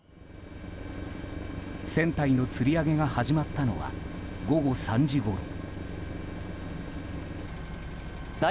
船体のつり上げが始まったのは午後３時ごろ。